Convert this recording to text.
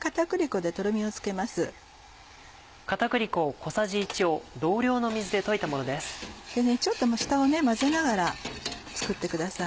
でちょっと下を混ぜながら作ってください。